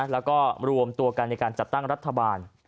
แล้วก็รวมตัวกันในการจัดตั้งรัฐบาล